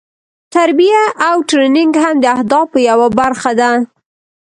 تربیه او ټریننګ هم د اهدافو یوه برخه ده.